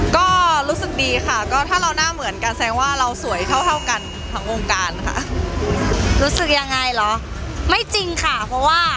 ก็รู้สึกดีค่ะก็ถ้าเราหน้าเหมือนกันแสดงว่าเราสวยเท่าเท่ากันทั้งวงการค่ะรู้สึกยังไงเหรอไม่จริงค่ะเพราะว่า